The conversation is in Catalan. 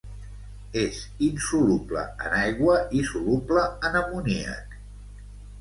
És insoluble en aigua i soluble en amoníac.